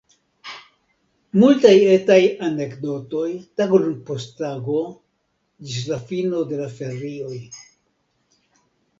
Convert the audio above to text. Multaj etaj anekdotoj, tagon post tago, ĝis la fino de la ferioj.